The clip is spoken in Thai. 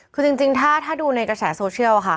คือจริงถ้าดูในกระแสโซเชียลค่ะ